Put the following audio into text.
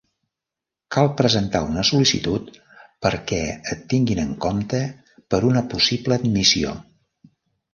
Cal presentar una sol·licitud perquè et tinguin en compte per una possible admissió.